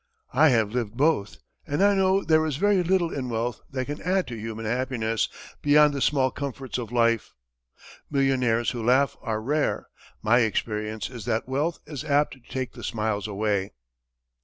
I have lived both, and I know there is very little in wealth that can add to human happiness, beyond the small comforts of life. Millionaires who laugh are rare. My experience is that wealth is apt to take the smiles away."